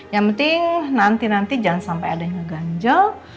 yang penting nanti nanti jangan sampai ada yang ngeganjel